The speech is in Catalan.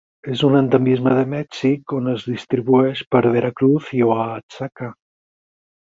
És un endemisme de Mèxic on es distribueix per Veracruz i Oaxaca.